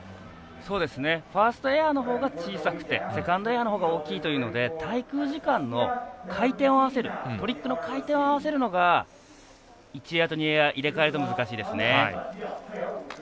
ファーストエアのほうが小さくてセカンドエアのほうが大きいというので滞空時間の回転を合わせるトリックの回転を合わせるのが１エアと２エア入れ替えると難しいですね。